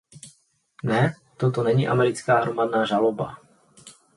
Ne, toto není americká hromadná žaloba.